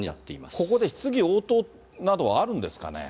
ここで質疑応答などはあるんですかね。